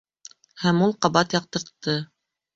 Һәм ул ҡабат яҡтыртты.